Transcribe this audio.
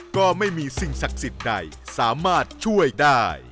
ก็ไม่มีสิ่งศักดิ์สิทธิ์ใดสามารถช่วยได้